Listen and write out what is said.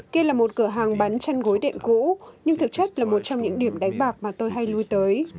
kia là một cửa hàng bắn chăn gối đệm cũ nhưng thực chất là một trong những điểm đánh bạc mà tôi hay lui tới